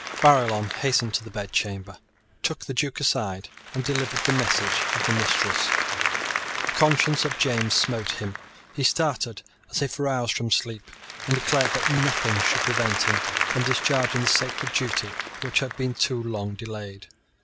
Barillon hastened to the bedchamber, took the Duke aside, and delivered the message of the mistress. The conscience of James smote him. He started as if roused from sleep, and declared that nothing should prevent him from discharging the sacred duty which had been too long delayed.